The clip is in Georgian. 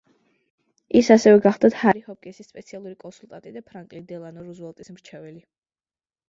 ის ასევე გახლდათ ჰარი ჰოპკინსის სპეციალური კონსულტანტი და ფრანკლინ დელანო რუზველტის მრჩეველი.